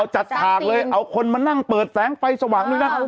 จัดฉากเลยเอาคนมานั่งเปิดแสงไฟสว่างด้วยนะ